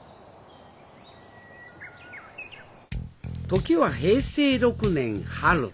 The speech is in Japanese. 時は平成６年春。